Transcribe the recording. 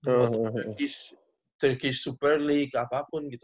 atau yang di super league apa pun gitu